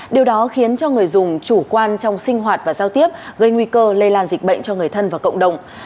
điều đó khiến cho người dùng chủ quan trong sinh hoạt và giao tiếp gây nguy cơ lây lan dịch bệnh cho người thân và cộng đồng